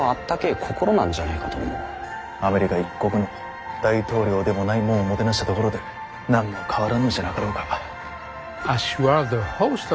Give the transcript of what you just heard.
アメリカ一国の大統領でもないもんをもてなしたところで何も変わらんのじゃなかろうか。